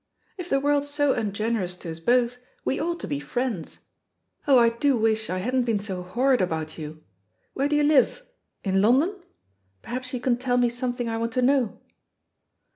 If the world's so ungener ous to us both, we ought to be friends. Oh, I do wish I hadn't been so horrid about you I Where do you live? In London? Perhaps you can tell me something I want to know?"